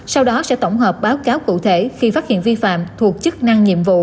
sau đó sẽ tổng hợp báo cáo cụ thể khi phát hiện vi phạm thuộc chức năng nhiệm vụ